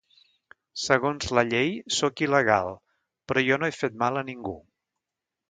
Segons la llei, soc il·legal; però jo no he fet mal a ningú.